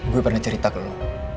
gue pernah cerita ke lo